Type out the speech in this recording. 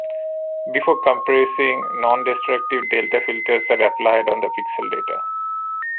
Before compressing, non-destructive delta filters are applied on the pixel data.